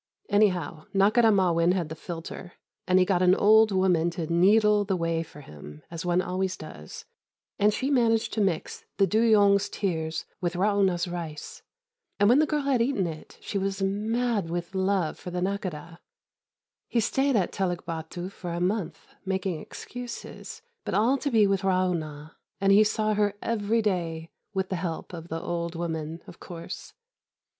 Anyhow, Nakhôdah Ma'win had the philtre, and he got an old woman to needle the way for him, as one always does, and she managed to mix the dûyong's tears with Ra'ûnah's rice, and, when the girl had eaten it, she was mad with love for the Nakhôdah. He stayed at Teluk Bâtu for a month, making excuses, but all to be with Ra'ûnah; and he saw her every day with the help of the old woman, of course.